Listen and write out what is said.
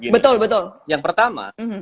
betul betul yang pertama